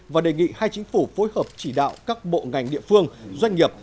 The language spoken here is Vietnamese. và đề nghị hai chính phủ phối hợp chỉ đạo các bộ ngành địa phương doanh nghiệp